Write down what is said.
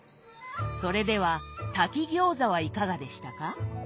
それでは炊き餃子はいかがでしたか？